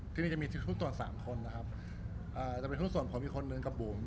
ที่นี่จะมีชุดตรวจ๓คนนะครับจะเป็นหุ้นส่วนผมอีกคนนึงกับบุ๋ม